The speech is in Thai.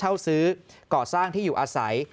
เข้าซื้อก่อสร้างที่อยู่อาศัย